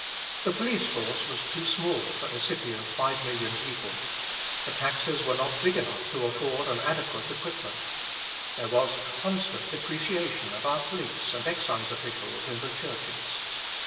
The police force was too small for a city of 5,000,000 people. The taxes were not big enough to afford an adequate equipment. There was a constant depreciation of our police and excise officials in the churches.